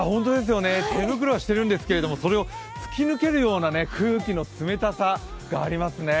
手袋はしているんですけどそれを突き抜けるような空気の冷たさがありますね。